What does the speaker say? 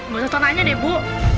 gua susah tanya deh bu